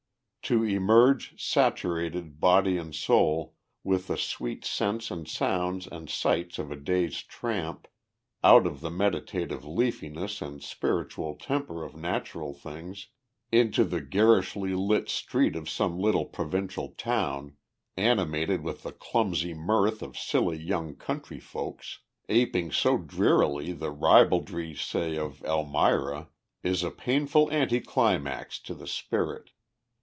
To emerge, saturated, body and soul, with the sweet scents and sounds and sights of a day's tramp, out of the meditative leafiness and spiritual temper of natural things, into the garishly lit street of some little provincial town, animated with the clumsy mirth of silly young country folks, aping so drearily the ribaldry, say, of Elmira, is a painful anticlimax to the spirit.